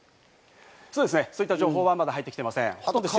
そういった情報はまだ入ってきていません。